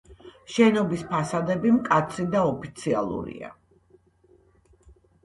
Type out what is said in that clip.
შენობის ფასადები მკაცრი და ოფიციალურია.